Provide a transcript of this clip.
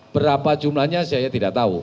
berapa jumlahnya saya tidak tahu